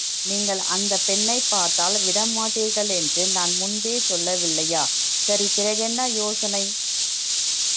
நீங்கள் அந்தப் பெண்ணை பார்த்தால் விடமாட்டீர்களென்று நான் முன்பே சொல்லவில்லையா, சரி, பிறகென்ன யோசனை?